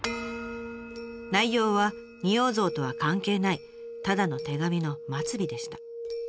内容は仁王像とは関係ないただの手紙の末尾でした。